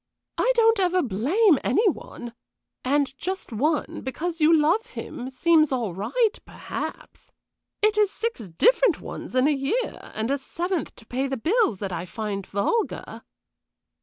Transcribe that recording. "I don't ever blame any one. And just one, because you love him, seems all right, perhaps. It is six different ones in a year, and a seventh to pay the bills, that I find vulgar."